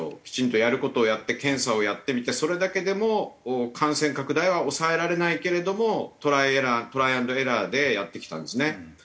きちんとやる事をやって検査をやってみてそれだけでも感染拡大は抑えられないけれどもトライアンドエラーでやってきたんですね。